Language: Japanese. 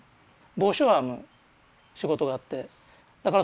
帽子を編む仕事があってだからそれをですね